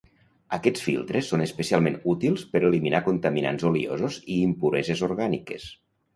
Aquests filtres són especialment útils per eliminar contaminants oliosos i impureses orgàniques.